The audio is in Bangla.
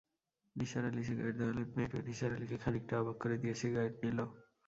নিসার আলি সিগারেট ধরালেন মেয়েটিও নিসার আলিকে খানিকটা অবাক করে দিয়ে সিগারেট নিল।